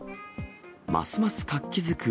ますます活気づく